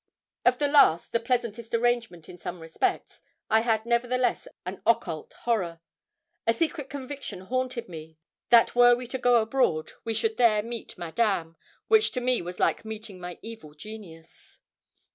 Of the last the pleasantest arrangement, in some respects I had nevertheless an occult horror. A secret conviction haunted me that were we to go abroad, we should there meet Madame, which to me was like meeting my evil genius.